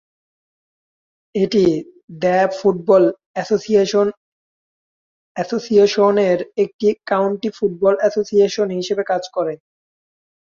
এটি the football অ্যাসোসিয়েশনের একটি কাউন্টি ফুটবল অ্যাসোসিয়েশন হিসেবে কাজ করে।